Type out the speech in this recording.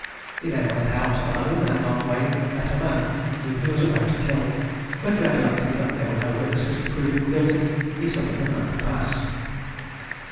He then went out alone, and on the way met a man whom he was about to kill; but recollecting that there were no witnesses to prove him guilty, he suffered the man to pass.